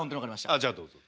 ああじゃあどうぞ。